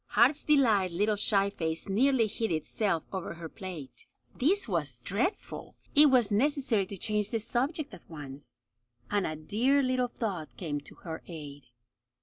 Heart's Delight's little shy face nearly hid itself over her plate. This was dreadful! It was necessary to change the subject at once, and a dear little thought came to her aid.